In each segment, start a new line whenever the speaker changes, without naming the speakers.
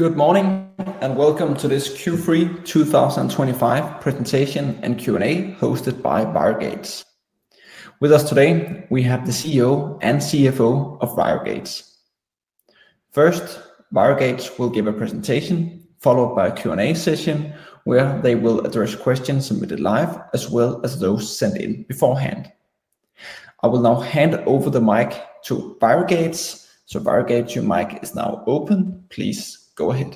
Good morning and welcome to this Q3 2025 Presentation and Q&A hosted by ViroGates. With us today, we have the CEO and CFO of ViroGates. First, ViroGates will give a presentation followed by a Q&A session where they will address questions submitted live, as well as those sent in beforehand. I will now hand over the mic to ViroGates. ViroGates, your mic is now open. Please go ahead.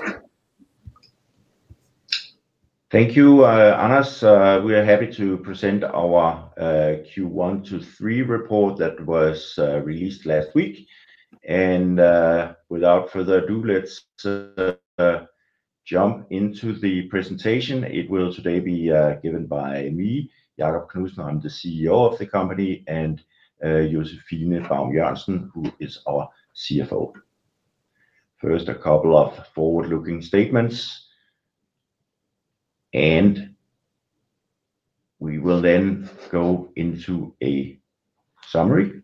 Thank you, Johannes. We are happy to present our Q1 to Q3 report that was released last week. Without further ado, let's jump into the presentation. It will today be given by me, Jakob Knudsen, I'm the CEO of the company, and Josephine Baum Jørgensen, who is our CFO. First, a couple of forward-looking statements, and we will then go into a summary.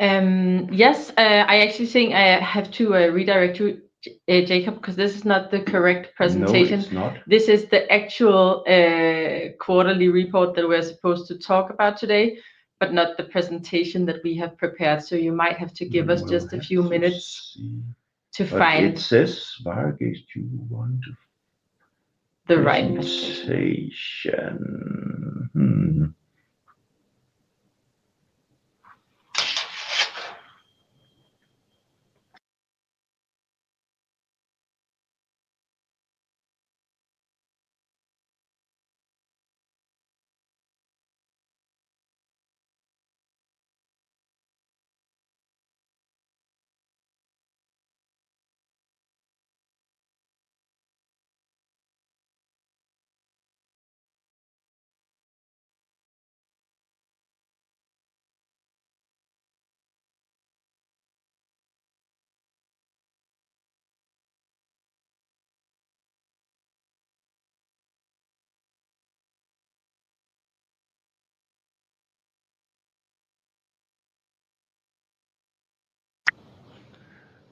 Yes, I actually think I have to redirect you, Jakob, because this is not the correct presentation.
No, it's not.
This is the actual quarterly report that we're supposed to talk about today, but not the presentation that we have prepared. You might have to give us just a few minutes to find.
It says ViroGates Q1 to Q3.
The right presentation.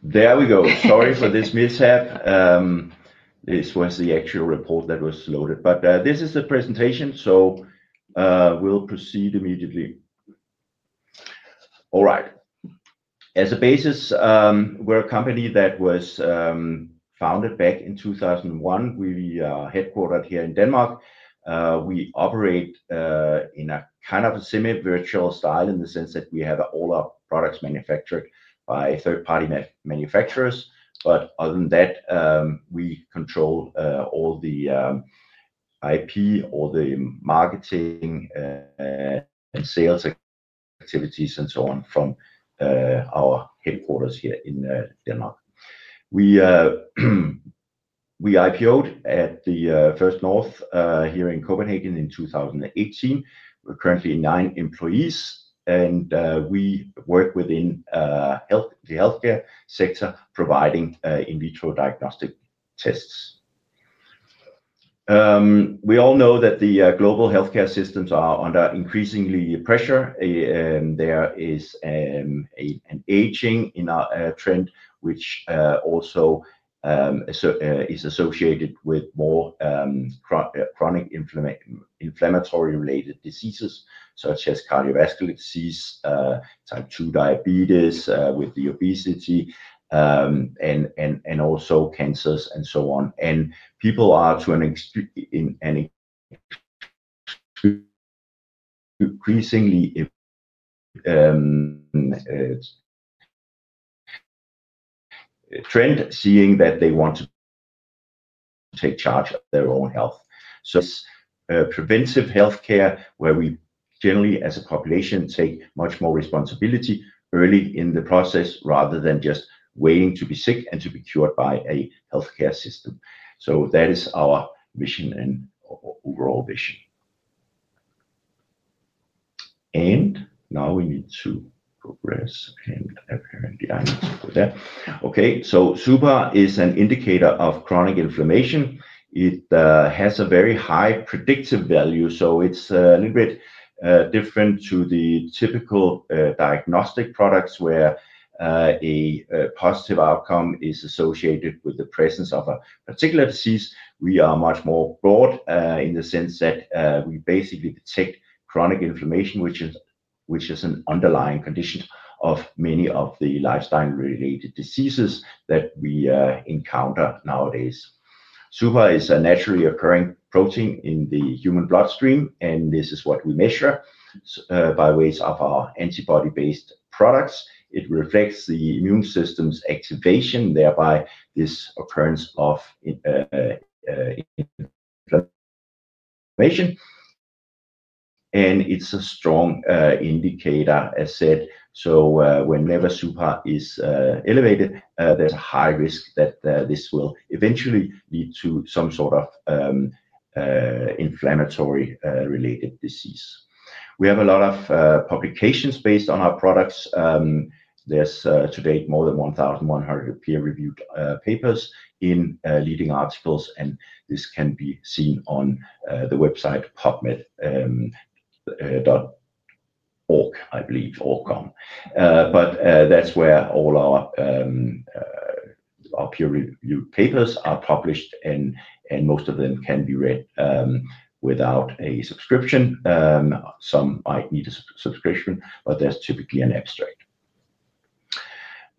There we go. Sorry for this mishap. This was the actual report that was loaded, but this is the presentation, so we'll proceed immediately. All right. As a basis, we're a company that was founded back in 2001. We are headquartered here in Denmark. We operate in a kind of semi-virtual style in the sense that we have all our products manufactured by third-party manufacturers. Other than that, we control all the IP, all the marketing and sales activities, and so on, from our headquarters here in Denmark. We IPOed at the First North here in Copenhagen in 2018. We're currently nine employees, and we work within the healthcare sector, providing in vitro diagnostic tests. We all know that the global healthcare systems are under increasing pressure. There is an aging trend, which also is associated with more chronic inflammatory-related diseases, such as cardiovascular disease, type 2 diabetes with obesity, and also cancers, and so on. People are to an increasingly trend seeing that they want to take charge of their own health. It is preventive healthcare, where we generally, as a population, take much more responsibility early in the process rather than just waiting to be sick and to be cured by a healthcare system. That is our mission and overall vision. Now we need to progress, and apparently I need to go there. Okay, so suPAR is an indicator of chronic inflammation. It has a very high predictive value, so it's a little bit different from the typical diagnostic products, where a positive outcome is associated with the presence of a particular disease. We are much more broad in the sense that we basically detect chronic inflammation, which is an underlying condition of many of the lifestyle-related diseases that we encounter nowadays. suPAR is a naturally occurring protein in the human bloodstream, and this is what we measure by ways of our antibody-based products. It reflects the immune system's activation, thereby this occurrence of inflammation. It is a strong indicator, as said. Whenever suPAR is elevated, there is a high risk that this will eventually lead to some sort of inflammatory-related disease. We have a lot of publications based on our products. There are to date more than 1,100 peer-reviewed papers in leading articles, and this can be seen on the website pubmed.org, I believe, org com. That is where all our peer-reviewed papers are published, and most of them can be read without a subscription. Some might need a subscription, but there's typically an abstract.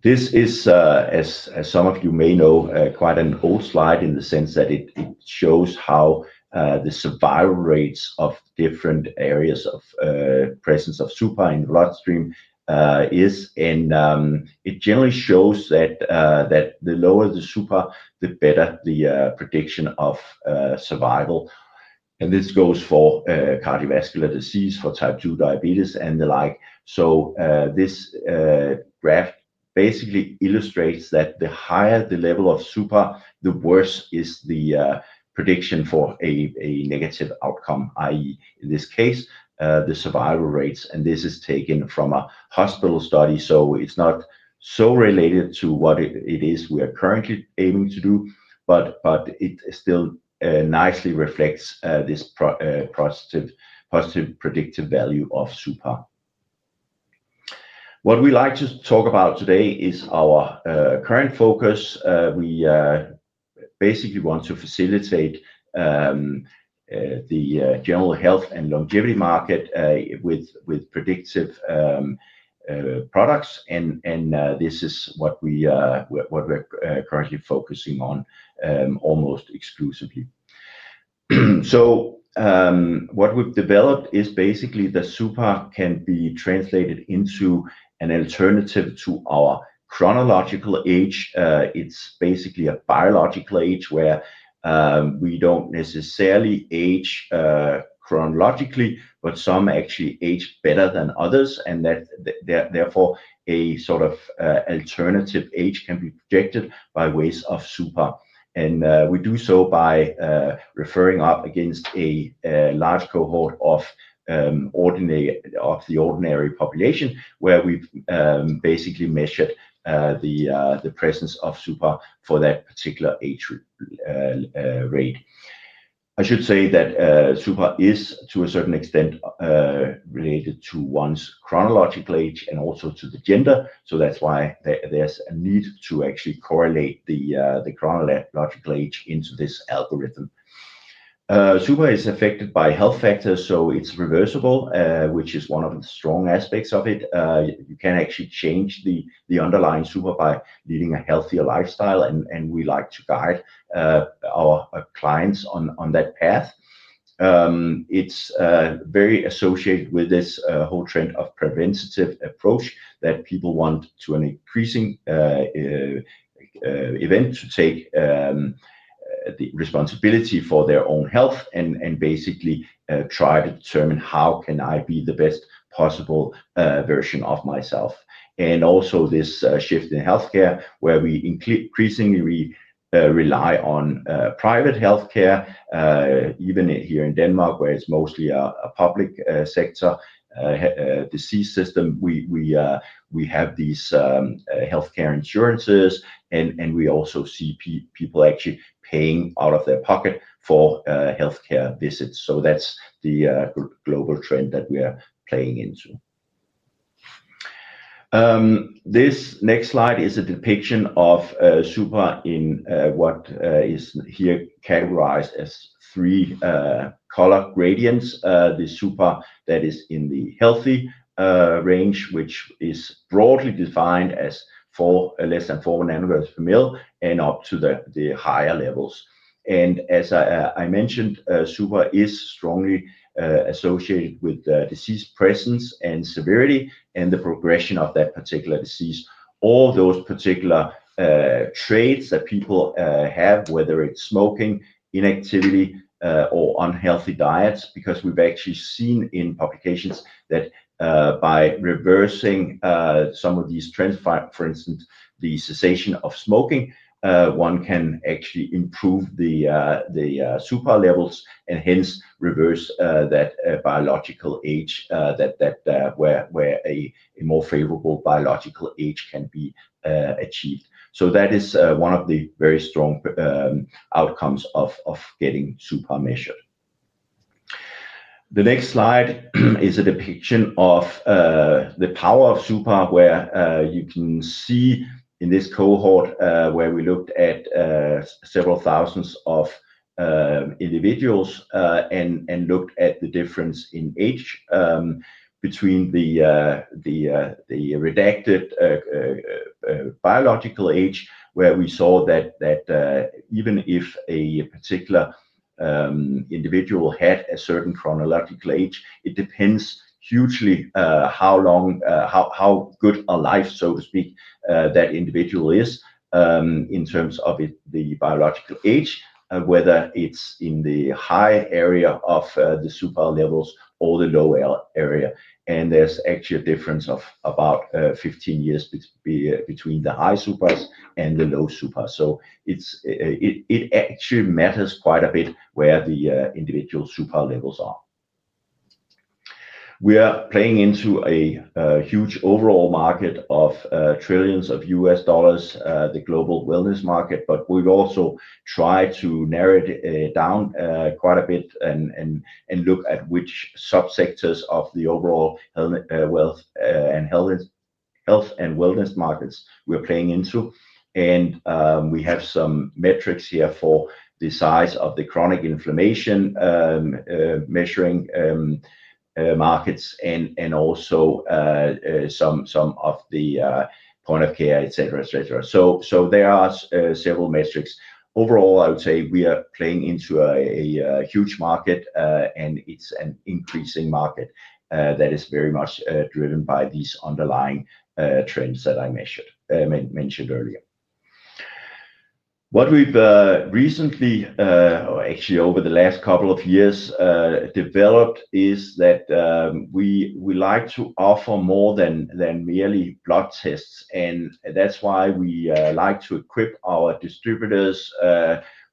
This is, as some of you may know, quite an old slide in the sense that it shows how the survival rates of different areas of presence of suPAR in the bloodstream are. It generally shows that the lower the suPAR, the better the prediction of survival. This goes for cardiovascular disease, for type 2 diabetes, and the like. This graph basically illustrates that the higher the level of suPAR, the worse is the prediction for a negative outcome, i.e., in this case, the survival rates. This is taken from a hospital study, so it's not so related to what it is we are currently aiming to do, but it still nicely reflects this positive predictive value of suPAR. What we like to talk about today is our current focus. We basically want to facilitate the general health and longevity market with predictive products, and this is what we're currently focusing on almost exclusively. What we've developed is basically the suPAR can be translated into an alternative to our chronological age. It's basically a biological age where we don't necessarily age chronologically, but some actually age better than others, and therefore a sort of alternative age can be predicted by ways of suPAR. We do so by referring up against a large cohort of the ordinary population, where we basically measured the presence of suPAR for that particular age rate. I should say that suPAR is, to a certain extent, related to one's chronological age and also to the gender, so that's why there's a need to actually correlate the chronological age into this algorithm. suPAR is affected by health factors, so it's reversible, which is one of the strong aspects of it. You can actually change the underlying suPAR by leading a healthier lifestyle, and we like to guide our clients on that path. It's very associated with this whole trend of preventive approach that people want to an increasing extent to take the responsibility for their own health and basically try to determine how can I be the best possible version of myself. Also this shift in healthcare, where we increasingly rely on private healthcare, even here in Denmark, where it's mostly a public sector disease system. We have these healthcare insurances, and we also see people actually paying out of their pocket for healthcare visits. That's the global trend that we are playing into. This next slide is a depiction of suPAR in what is here categorized as three color gradients. The suPAR that is in the healthy range, which is broadly defined as less than 4 nanograms per mil and up to the higher levels. As I mentioned, suPAR is strongly associated with disease presence and severity and the progression of that particular disease. All those particular traits that people have, whether it's smoking, inactivity, or unhealthy diets, because we've actually seen in publications that by reversing some of these trends, for instance, the cessation of smoking, one can actually improve the suPAR levels and hence reverse that biological age where a more favorable biological age can be achieved. That is one of the very strong outcomes of getting suPAR measured. The next slide is a depiction of the power of suPAR, where you can see in this cohort where we looked at several thousand individuals and looked at the difference in age between the redacted biological age, where we saw that even if a particular individual had a certain chronological age, it depends hugely how good a life, so to speak, that individual is in terms of the biological age, whether it's in the high area of the suPAR levels or the low area. There is actually a difference of about 15 years between the high suPARs and the low suPARs. It actually matters quite a bit where the individual suPAR levels are. We are playing into a huge overall market of trillions of U.S. dollars, the global wellness market, but we've also tried to narrow it down quite a bit and look at which subsectors of the overall health and health and wellness markets we're playing into. We have some metrics here for the size of the chronic inflammation measuring markets and also some of the point of care, et cetera, et cetera. There are several metrics. Overall, I would say we are playing into a huge market, and it's an increasing market that is very much driven by these underlying trends that I mentioned earlier. What we've recently, or actually over the last couple of years, developed is that we like to offer more than merely blood tests, and that's why we like to equip our distributors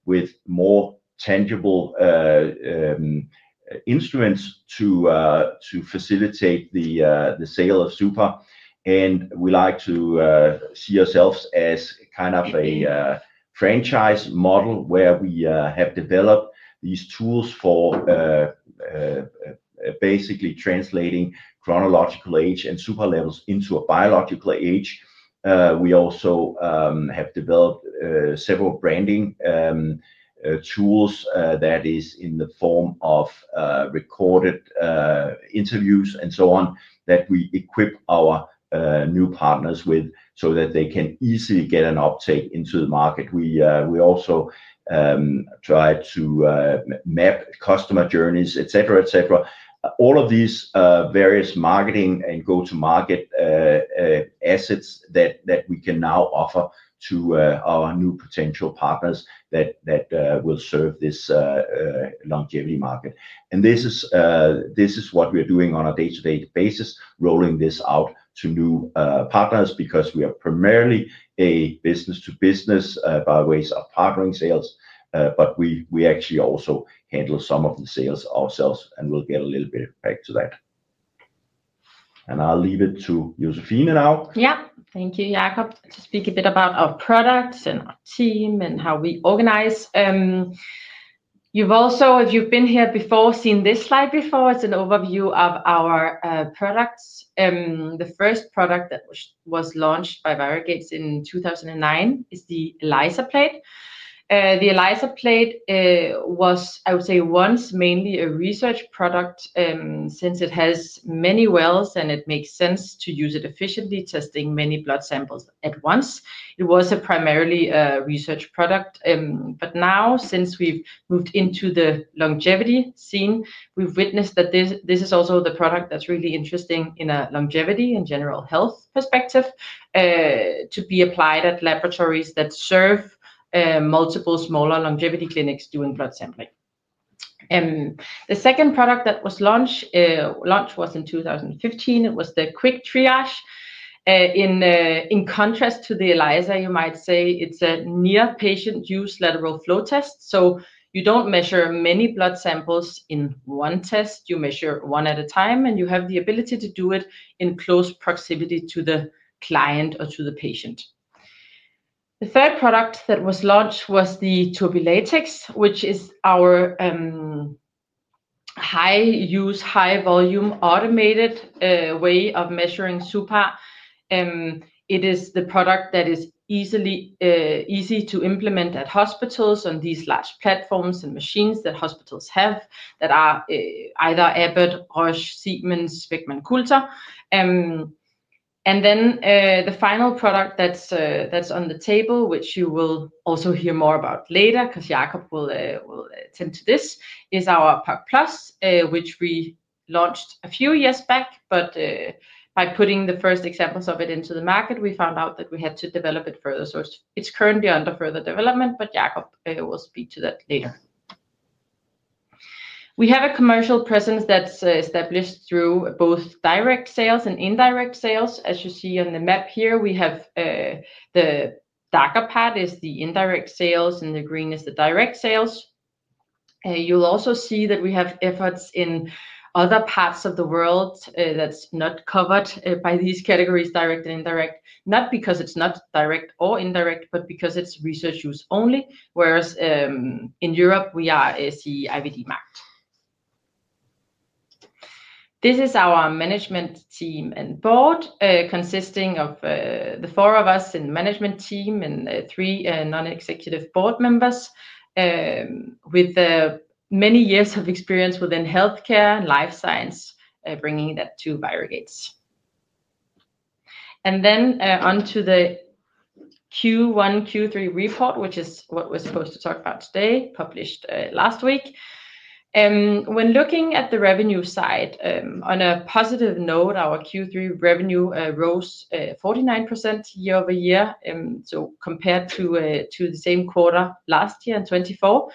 with more tangible instruments to facilitate the sale of suPAR. We like to see ourselves as kind of a franchise model where we have developed these tools for basically translating chronological age and suPAR levels into a biological age. We also have developed several branding tools that are in the form of recorded interviews and so on that we equip our new partners with so that they can easily get an uptake into the market. We also try to map customer journeys, et cetera, et cetera. All of these various marketing and go-to-market assets that we can now offer to our new potential partners will serve this longevity market. This is what we are doing on a day-to-day basis, rolling this out to new partners because we are primarily a business-to-business by ways of partnering sales, but we actually also handle some of the sales ourselves, and we'll get a little bit back to that. I'll leave it to Josephine now.
Yeah. Thank you, Jakob, to speak a bit about our products and our team and how we organize. If you've been here before, seen this slide before, it's an overview of our products. The first product that was launched by ViroGates in 2009 is the ELISA plate. The ELISA plate was, I would say, once mainly a research product since it has many wells and it makes sense to use it efficiently testing many blood samples at once. It was primarily a research product, but now since we've moved into the longevity scene, we've witnessed that this is also the product that's really interesting in a longevity and general health perspective to be applied at laboratories that serve multiple smaller longevity clinics doing blood sampling. The second product that was launched was in 2015. It was the Quick Triage. In contrast to the ELISA, you might say it's a near-patient use lateral flow test. You do not measure many blood samples in one test. You measure one at a time, and you have the ability to do it in close proximity to the client or to the patient. The third product that was launched was the TurbiLatex, which is our high-use, high-volume automated way of measuring suPAR. It is the product that is easy to implement at hospitals on these large platforms and machines that hospitals have that are either Abbott or Siemens Spectrum Culture. The final product that's on the table, which you will also hear more about later because Jakob will attend to this, is our POC+, which we launched a few years back, but by putting the first examples of it into the market, we found out that we had to develop it further. It is currently under further development, but Jakob will speak to that later. We have a commercial presence that's established through both direct sales and indirect sales. As you see on the map here, the darker part is the indirect sales, and the green is the direct sales. You will also see that we have efforts in other parts of the world that are not covered by these categories, direct and indirect, not because it is not direct or indirect, but because it is research use only, whereas in Europe, we are a CE-IVD mark. This is our management team and board consisting of the four of us in the management team and three non-executive board members with many years of experience within healthcare and life science, bringing that to ViroGates. On to the Q1, Q3 report, which is what we're supposed to talk about today, published last week. When looking at the revenue side, on a positive note, our Q3 revenue rose 49% year over year, so compared to the same quarter last year in 2024.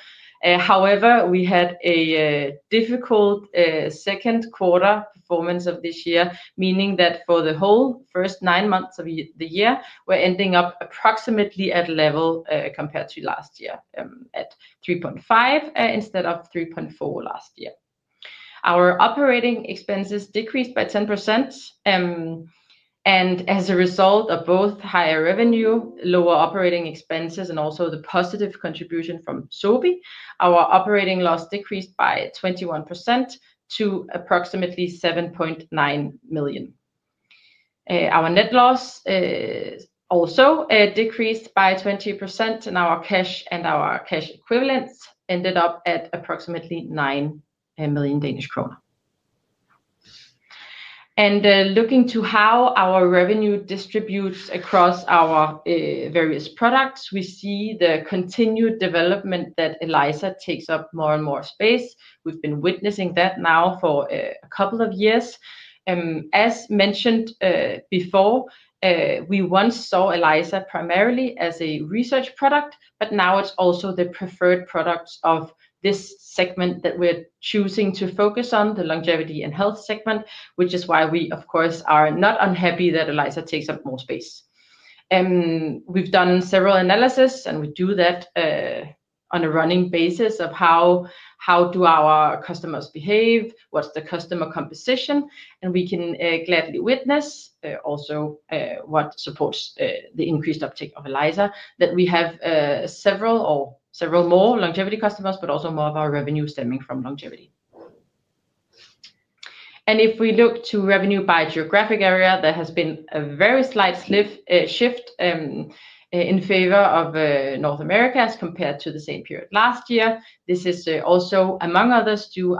However, we had a difficult second quarter performance of this year, meaning that for the whole first nine months of the year, we're ending up approximately at a level compared to last year at 3.5 million instead of 3.4 million last year. Our operating expenses decreased by 10%, and as a result of both higher revenue, lower operating expenses, and also the positive contribution from Sobi, our operating loss decreased by 21% to approximately 7.9 million. Our net loss also decreased by 20%, and our cash and our cash equivalents ended up at approximately 9 million Danish kroner. Looking to how our revenue distributes across our various products, we see the continued development that ELISA takes up more and more space. We've been witnessing that now for a couple of years. As mentioned before, we once saw ELISA primarily as a research product, but now it's also the preferred product of this segment that we're choosing to focus on, the longevity and health segment, which is why we, of course, are not unhappy that ELISA takes up more space. We've done several analyses, and we do that on a running basis of how do our customers behave, what's the customer composition, and we can gladly witness also what supports the increased uptake of ELISA, that we have several or several more longevity customers, but also more of our revenue stemming from longevity. If we look to revenue by geographic area, there has been a very slight shift in favor of North America as compared to the same period last year. This is also among others due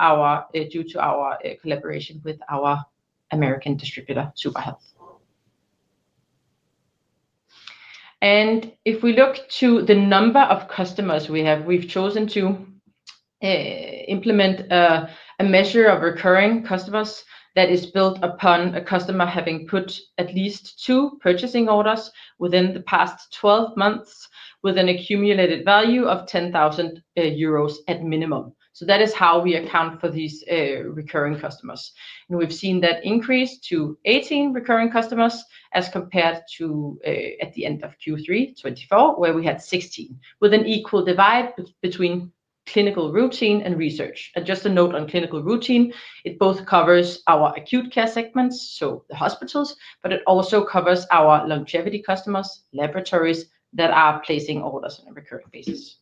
to our collaboration with our American distributor, suPAR Health. If we look to the number of customers we have, we've chosen to implement a measure of recurring customers that is built upon a customer having put at least two purchasing orders within the past 12 months with an accumulated value of 10,000 euros at minimum. That is how we account for these recurring customers. We have seen that increase to 18 recurring customers as compared to at the end of Q3 2024, where we had 16, with an equal divide between clinical routine and research. Just a note on clinical routine, it both covers our acute care segments, so the hospitals, but it also covers our longevity customers, laboratories that are placing orders on a recurrent basis.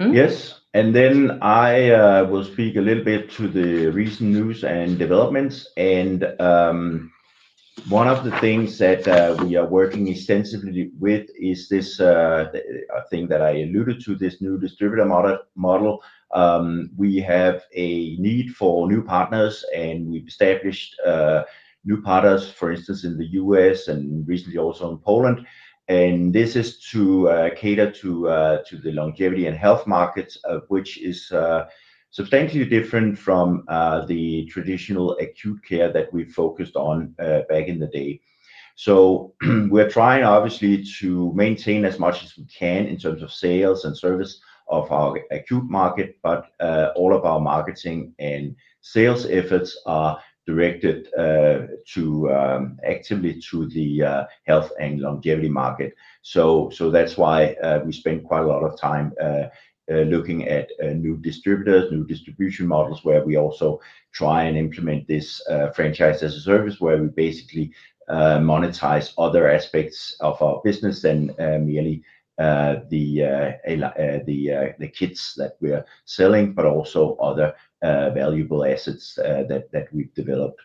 Yes. I will speak a little bit to the recent news and developments. One of the things that we are working extensively with is this thing that I alluded to, this new distributor model. We have a need for new partners, and we have established new partners, for instance, in the U.S. and recently also in Poland. This is to cater to the longevity and health markets, which is substantially different from the traditional acute care that we focused on back in the day. We are trying, obviously, to maintain as much as we can in terms of sales and service of our acute market, but all of our marketing and sales efforts are directed actively to the health and longevity market. That is why we spend quite a lot of time looking at new distributors, new distribution models, where we also try and implement this franchise as a service, where we basically monetize other aspects of our business than merely the kits that we are selling, but also other valuable assets that we have developed.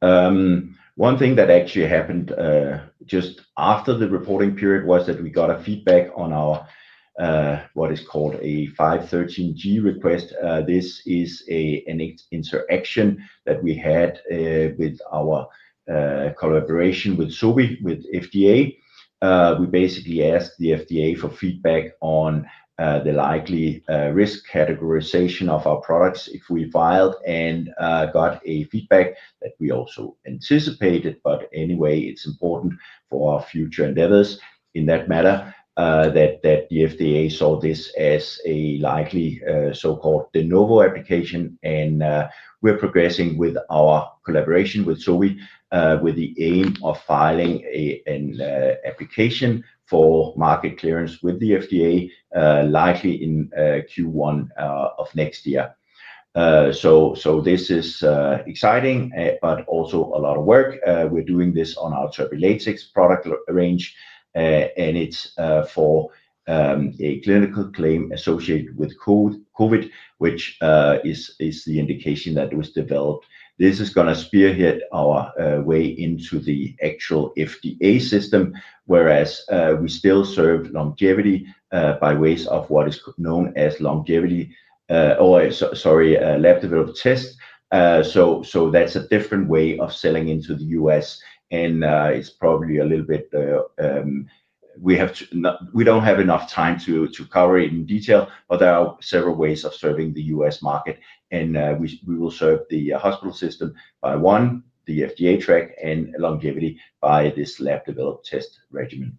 One thing that actually happened just after the reporting period was that we got feedback on our what is called a 513(g) request. This is an interaction that we had with our collaboration with Sobi, with FDA. We basically asked the FDA for feedback on the likely risk categorization of our products if we filed and got feedback that we also anticipated. Anyway, it's important for our future endeavors in that matter that the FDA saw this as a likely so-called de novo application, and we're progressing with our collaboration with Sobi with the aim of filing an application for market clearance with the FDA likely in Q1 of next year. This is exciting, but also a lot of work. We're doing this on our TurbiLatex product range, and it's for a clinical claim associated with COVID, which is the indication that it was developed. This is going to spearhead our way into the actual FDA system, whereas we still serve longevity by ways of what is known as longevity or, sorry, lab-developed tests. That is a different way of selling into the U.S., and it is probably a little bit we do not have enough time to cover in detail, but there are several ways of serving the U.S. market, and we will serve the hospital system by one, the FDA track, and longevity by this lab-developed test regimen.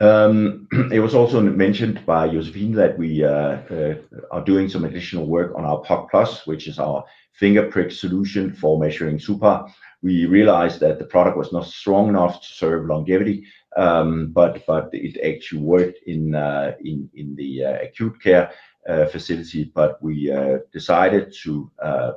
It was also mentioned by Josephine that we are doing some additional work on our POC+, which is our fingerprick solution for measuring suPAR. We realized that the product was not strong enough to serve longevity, but it actually worked in the acute care facility. We decided to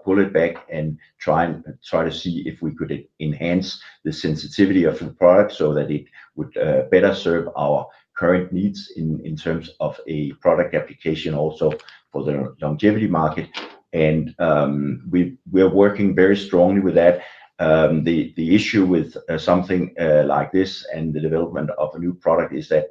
pull it back and try to see if we could enhance the sensitivity of the product so that it would better serve our current needs in terms of a product application also for the longevity market. We are working very strongly with that. The issue with something like this and the development of a new product is that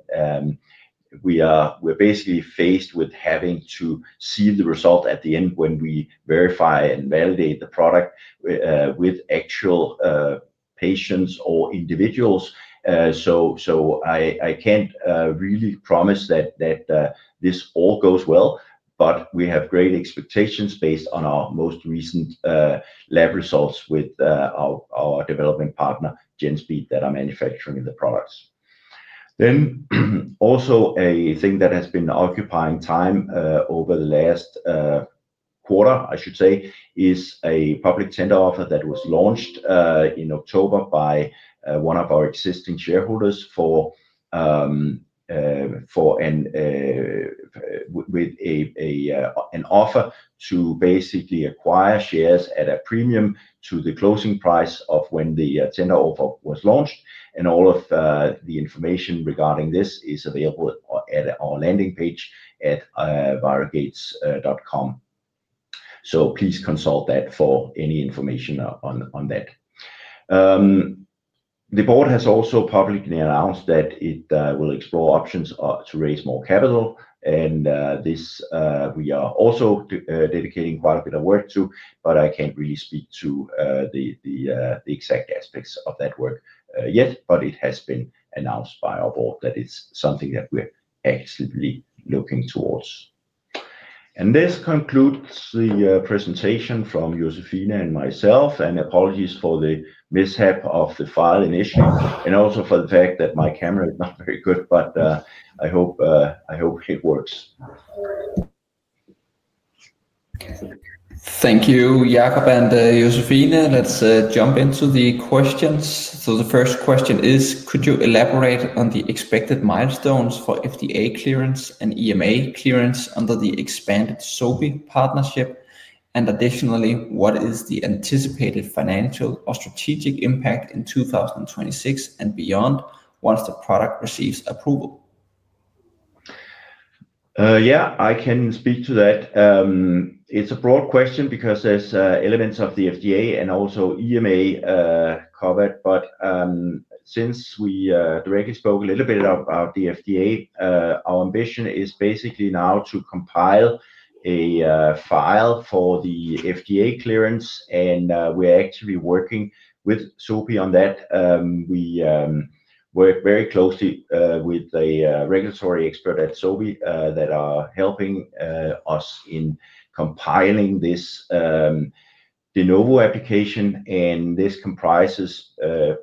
we are basically faced with having to see the result at the end when we verify and validate the product with actual patients or individuals. I cannot really promise that this all goes well, but we have great expectations based on our most recent lab results with our development partner, GENSPEED, that are manufacturing the products. Also a thing that has been occupying time over the last quarter, I should say, is a public tender offer that was launched in October by one of our existing shareholders with an offer to basically acquire shares at a premium to the closing price of when the tender offer was launched. All of the information regarding this is available at our landing page at virogates.com. Please consult that for any information on that. The board has also publicly announced that it will explore options to raise more capital, and this we are also dedicating quite a bit of work to, but I can't really speak to the exact aspects of that work yet, but it has been announced by our board that it's something that we're actively looking towards. This concludes the presentation from Josephine and myself, and apologies for the mishap of the file initially, and also for the fact that my camera is not very good, but I hope it works.
Thank you, Jakob and Josephine. Let's jump into the questions. The first question is, could you elaborate on the expected milestones for FDA clearance and EMA clearance under the expanded Sobi partnership? Additionally, what is the anticipated financial or strategic impact in 2026 and beyond once the product receives approval?
Yeah, I can speak to that. It's a broad question because there's elements of the FDA and also EMA covered, but since we directly spoke a little bit about the FDA, our ambition is basically now to compile a file for the FDA clearance, and we're actively working with Sobi on that. We work very closely with the regulatory expert at Sobi that are helping us in compiling this de novo application, and this comprises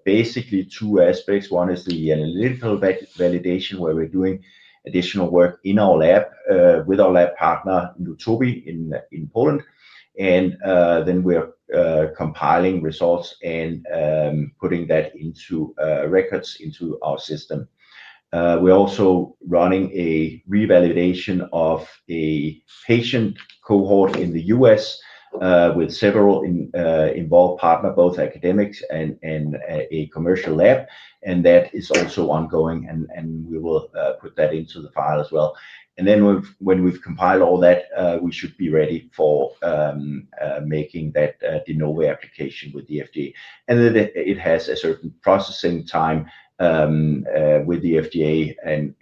basically two aspects. One is the analytical validation where we're doing additional work in our lab with our lab partner, Sobi in Poland, and then we're compiling results and putting that into records into our system. We're also running a revalidation of a patient cohort in the U.S. with several involved partners, both academics and a commercial lab, and that is also ongoing, and we will put that into the file as well. When we've compiled all that, we should be ready for making that de novo application with the FDA. It has a certain processing time with the FDA, and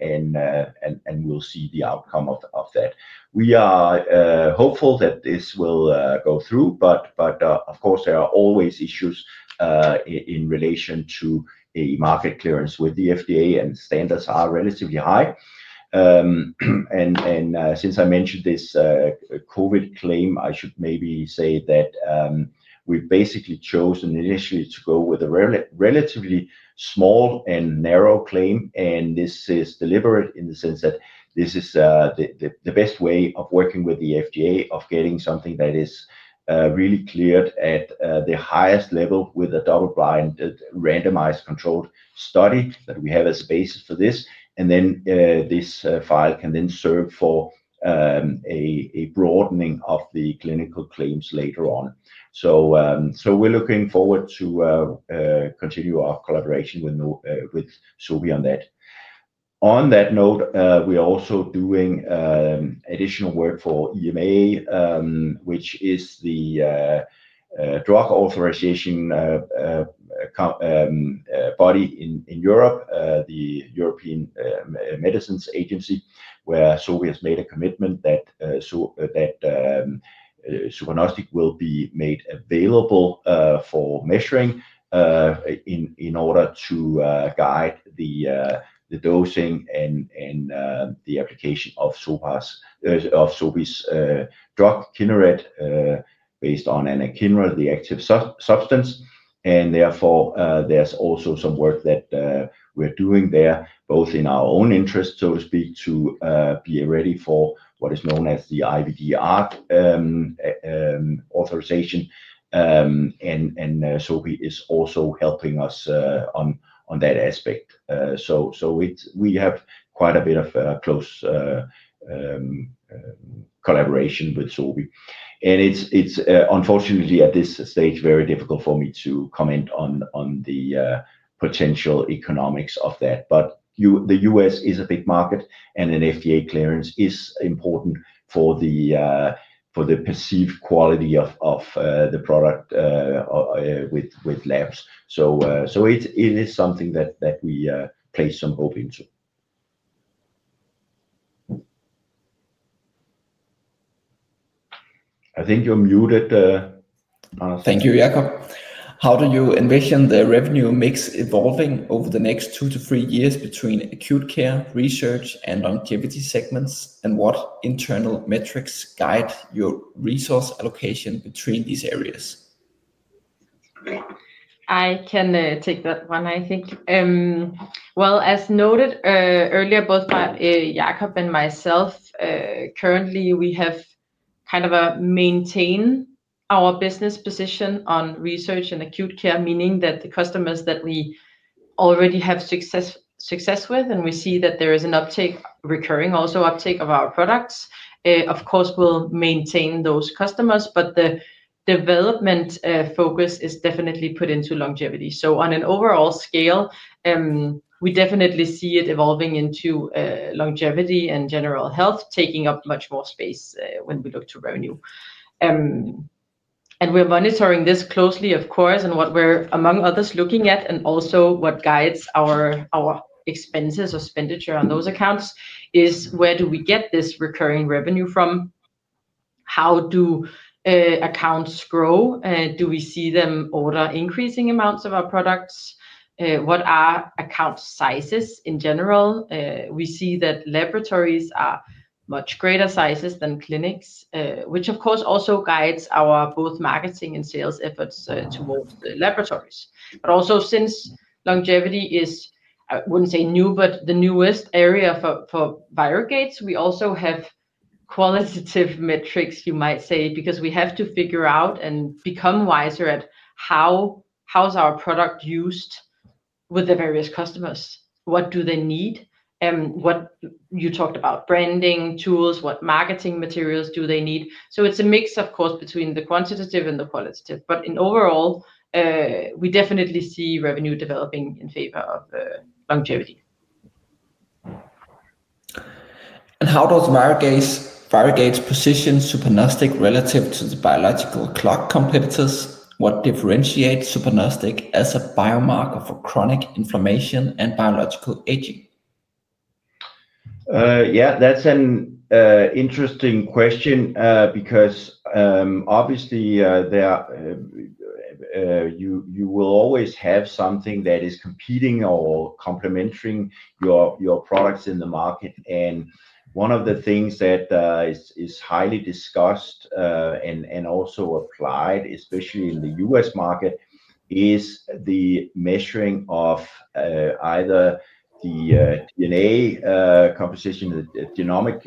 we'll see the outcome of that. We are hopeful that this will go through, but of course, there are always issues in relation to a market clearance with the FDA, and standards are relatively high. Since I mentioned this COVID claim, I should maybe say that we basically chose initially to go with a relatively small and narrow claim, and this is deliberate in the sense that this is the best way of working with the FDA of getting something that is really cleared at the highest level with a double-blind randomized controlled study that we have as a basis for this. This file can then serve for a broadening of the clinical claims later on. We are looking forward to continue our collaboration with Sobi on that. On that note, we're also doing additional work for EMA, which is the drug authorization body in Europe, the European Medicines Agency, where Sobi has made a commitment that suPARnostic will be made available for measuring in order to guide the dosing and the application of Sobi's drug Kineret based on anakinra, the active substance. Therefore, there's also some work that we're doing there, both in our own interest, so to speak, to be ready for what is known as the IVDR authorization. Sobi is also helping us on that aspect. We have quite a bit of close collaboration with Sobi. Unfortunately, at this stage, it's very difficult for me to comment on the potential economics of that. The U.S. is a big market, and an FDA clearance is important for the perceived quality of the product with labs. So it is something that we place some hope into. I think you're muted.
Thank you, Jakob. How do you envision the revenue mix evolving over the next two to three years between acute care, research, and longevity segments, and what internal metrics guide your resource allocation between these areas?
I can take that one, I think. As noted earlier, both by Jakob and myself, currently, we have kind of maintained our business position on research and acute care, meaning that the customers that we already have success with, and we see that there is an uptake, recurring also uptake of our products, of course, will maintain those customers, but the development focus is definitely put into longevity. On an overall scale, we definitely see it evolving into longevity and general health, taking up much more space when we look to revenue. We are monitoring this closely, of course, and what we are, among others, looking at, and also what guides our expenses or expenditure on those accounts is where do we get this recurring revenue from? How do accounts grow? Do we see them order increasing amounts of our products? What are account sizes in general? We see that laboratories are much greater sizes than clinics, which, of course, also guides our both marketing and sales efforts towards the laboratories. Also, since longevity is, I would not say new, but the newest area for ViroGates, we also have qualitative metrics, you might say, because we have to figure out and become wiser at how is our product used with the various customers? What do they need? You talked about branding tools. What marketing materials do they need? It is a mix, of course, between the quantitative and the qualitative. In overall, we definitely see revenue developing in favor of longevity.
How does ViroGates position suPARnostic relative to the biological clock competitors? What differentiates suPARnostic as a biomarker for chronic inflammation and biological aging?
Yeah, that's an interesting question because, obviously, you will always have something that is competing or complementing your products in the market. One of the things that is highly discussed and also applied, especially in the US market, is the measuring of either the DNA composition, the genomic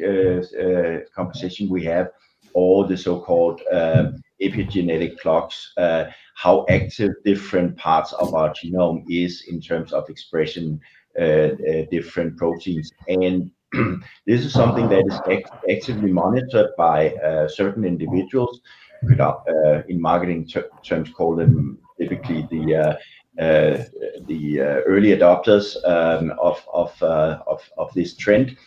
composition we have, or the so-called epigenetic clocks, how active different parts of our genome are in terms of expression, different proteins. This is something that is actively monitored by certain individuals. In marketing terms, call them typically the early adopters of this trend.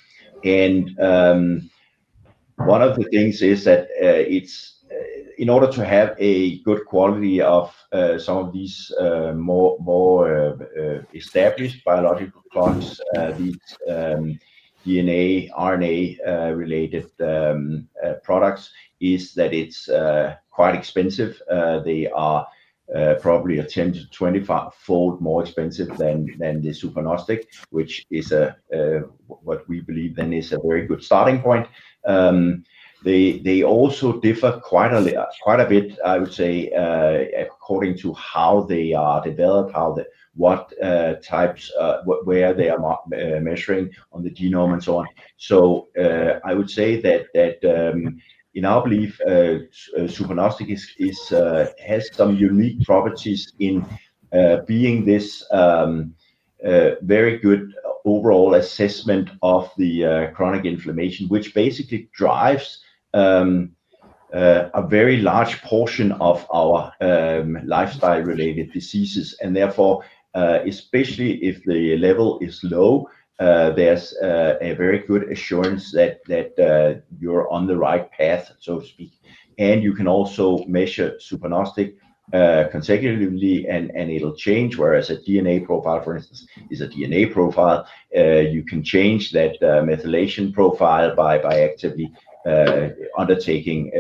One of the things is that in order to have a good quality of some of these more established biological clocks, these DNA, RNA-related products, is that it is quite expensive. They are probably a 10-20-fold more expensive than the suPARnostic, which is what we believe then is a very good starting point. They also differ quite a bit, I would say, according to how they are developed, what types, where they are measuring on the genome, and so on. I would say that, in our belief, suPARnostic has some unique properties in being this very good overall assessment of the chronic inflammation, which basically drives a very large portion of our lifestyle-related diseases. Therefore, especially if the level is low, there is a very good assurance that you are on the right path, so to speak. You can also measure suPARnostic consecutively, and it will change, whereas a DNA profile, for instance, is a DNA profile. You can change that methylation profile by actively undertaking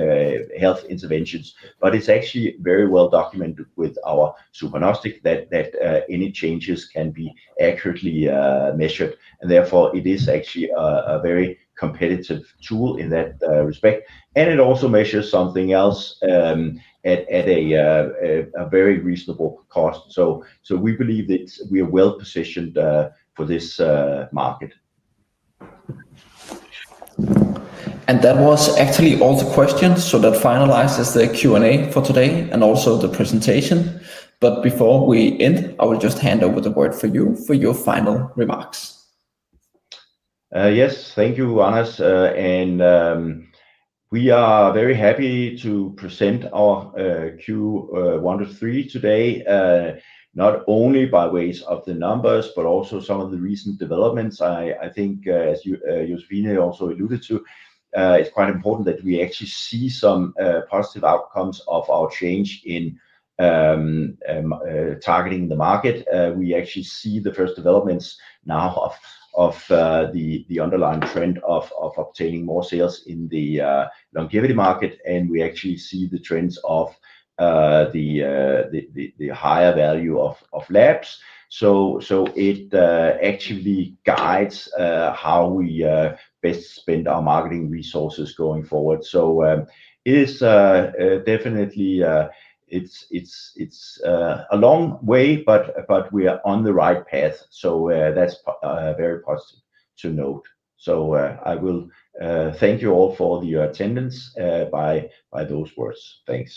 health interventions. It is actually very well documented with our suPARnostic that any changes can be accurately measured. Therefore, it is actually a very competitive tool in that respect. It also measures something else at a very reasonable cost. We believe that we are well positioned for this market.
That was actually all the questions. That finalizes the Q&A for today and also the presentation. Before we end, I will just hand over the word to you for your final remarks.
Yes, thank you, Johannes. We are very happy to present our Q1 to 3 today, not only by way of the numbers, but also some of the recent developments. I think, as Josephine also alluded to, it's quite important that we actually see some positive outcomes of our change in targeting the market. We actually see the first developments now of the underlying trend of obtaining more sales in the longevity market, and we actually see the trends of the higher value of labs. It actively guides how we best spend our marketing resources going forward. It is definitely a long way, but we are on the right path. That's very positive to note. I will thank you all for your attendance by those words. Thanks.